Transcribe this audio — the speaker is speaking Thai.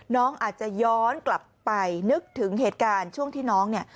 น้องอาจจะย้อนกลับไปนึกถึงเหตุการณ์ช่วงที่น้องเนี่ย